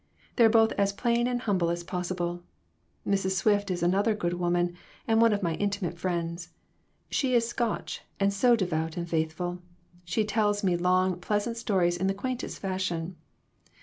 They're both as plain and humble as possible. Mrs. Swift is another good woman, and one of my intimate friends. She is Scotch, and so devout and faithful. She tells me long, pleasant stories in the quaintest fashion.